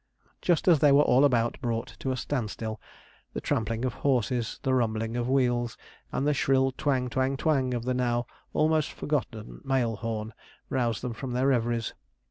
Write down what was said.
Just as they were all about brought to a standstill, the trampling of horses, the rumbling of wheels, and the shrill twang, twang, twang of the now almost forgotten mail horn, roused them from their reveries.